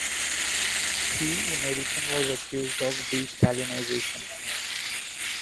He, in addition, was accused of de-Stalinisation.